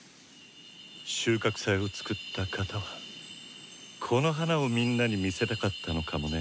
「収穫祭」をつくった方はこの花をみんなに見せたかったのかもねぇ。